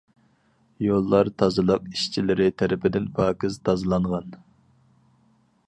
يوللار تازىلىق ئىشچىلىرى تەرىپىدىن پاكىز تازىلانغان.